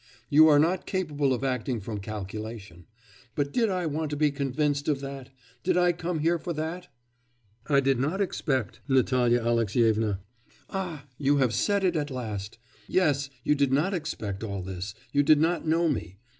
You are not capable of acting from calculation; but did I want to be convinced of that? did I come here for that?' 'I did not expect, Natalya Alexyevna ' 'Ah! you have said it at last! Yes, you did not expect all this you did not know me.